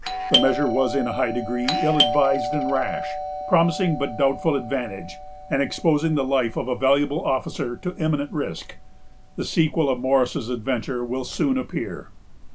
The measure was in a high degree ill advised and rash, promising but doubtful advantage, and exposing the life of a valuable officer to imminent risk. The sequel of Morris's adventure will soon appear.